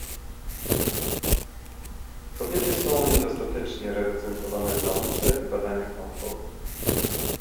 Kobiety są niedostatecznie reprezentowane w nauce i badaniach naukowych